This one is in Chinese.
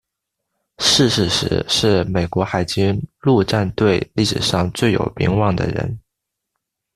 逝世时是美国海军陆战队历史上最有名望的人。